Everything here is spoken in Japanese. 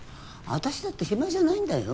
私だって暇じゃないんだよ。